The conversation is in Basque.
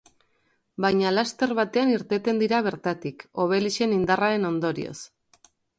Baina laster batean irteten dira bertatik, Obelixen indarraren ondorioz.